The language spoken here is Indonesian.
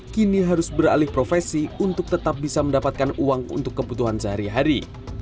kini harus beralih profesi untuk tetap bisa mendapatkan uang untuk kebutuhan sehari hari